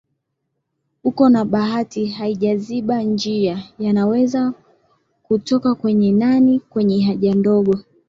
uko na bahati haija ziba njia yanaweza kutoka kwenye nani kwenye haja ndogo